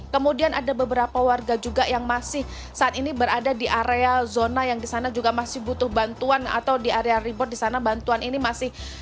kemudian ada beberapa warga juga yang masih saat ini berada di area zona yang di sana juga masih butuh bantuan atau di area report di sana bantuan ini masih